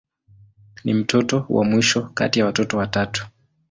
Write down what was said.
Ni mtoto wa mwisho kati ya watoto watatu.